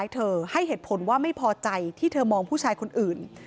แต่เธอมองผู้ชายคนอื่น